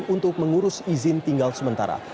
untuk mengurus izin tinggal sementara